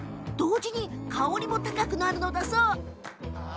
同時に香りも高くなるんだそう。